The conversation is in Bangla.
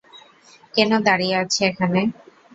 কেন দাঁড়িয়ে আছে এখানে?